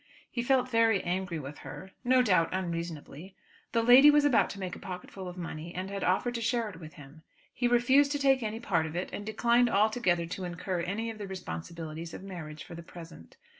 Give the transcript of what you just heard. He felt very angry with her, no doubt unreasonably. The lady was about to make a pocketful of money; and had offered to share it with him. He refused to take any part of it, and declined altogether to incur any of the responsibilities of marriage for the present.